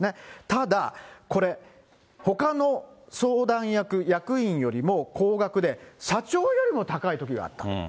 ただ、これ、ほかの相談役、役員よりも高額で、社長よりも高いときがあった。